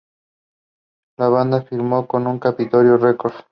La banda firmó con Capitol Records.